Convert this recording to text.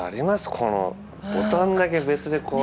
このボタンだけ別でこう。